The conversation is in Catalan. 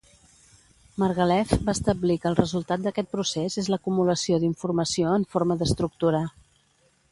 Margalef va establir que el resultat d'aquest procés és l'acumulació d'informació en forma d'estructura.